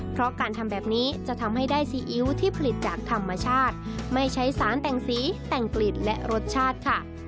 เพราะการทำแบบนี้จะทำให้ได้ซีอิ๊วที่ผลิตจากธรรมชาติไม่ใช้สารแต่งสีแต่งกลิ่นและรสชาติค่ะ